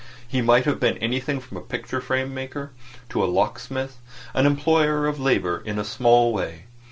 He might have been anything from a picture frame maker to a lock smith; an employer of labour in a small way.